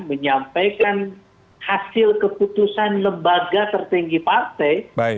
menyampaikan hasil keputusan lembaga tertinggi partai